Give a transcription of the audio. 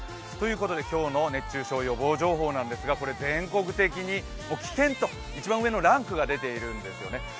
今日の熱中症予防情報なんですが全国的に危険と一番上のランクが出ているんですよね。